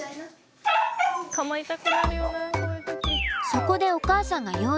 そこでお母さんがん？